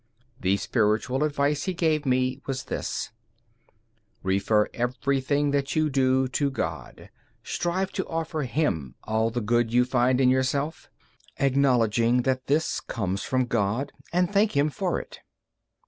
The spiritual advice he gave me was this: "Refer everything that you do to God; strive to offer Him all the good you find in yourself, acknowledging that this comes from God, and thank Him for it."